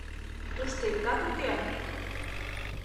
— Тушто иктат уке?